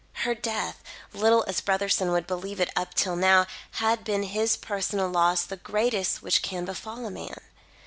Her death little as Brotherson would believe it up till now had been his personal loss the greatest which can befall a man.